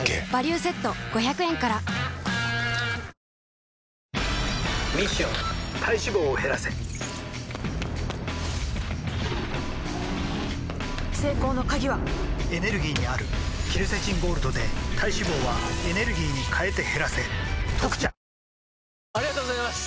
生しょうゆはキッコーマンミッション体脂肪を減らせ成功の鍵はエネルギーにあるケルセチンゴールドで体脂肪はエネルギーに変えて減らせ「特茶」ありがとうございます！